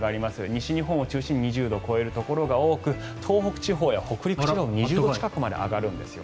西日本を中心に２０度を超えるところが多く東北地方や北陸地方も２０度近くまで上がるんです。